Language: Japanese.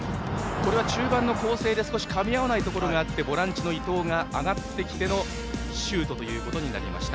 中盤の攻勢でかみ合わないところがあってボランチの伊藤が上がってのシュートとなりました。